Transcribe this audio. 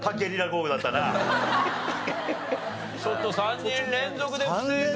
ちょっと３人連続で不正解。